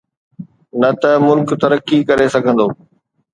نه ته ملڪ ترقي ڪري سگهندو.